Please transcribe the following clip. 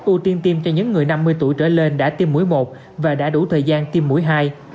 ưu tiên tiêm cho những người năm mươi tuổi trở lên đã tiêm mũi một và đã đủ thời gian tiêm mũi hai